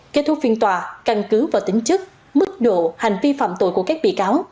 kết thúc phiên tòa căn cứ vào tính chức mức độ hành vi phạm tội của các bị cáo